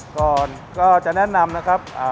ก่อนก็จะแนะนำนะครับ